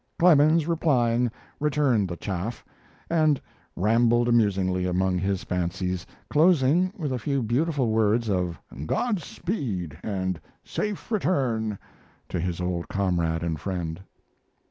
Clemens, replying, returned the chaff, and rambled amusingly among his fancies, closing with a few beautiful words of "Godspeed and safe return" to his old comrade and friend.